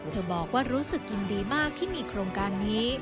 บอกว่ารู้สึกยินดีมากที่มีโครงการนี้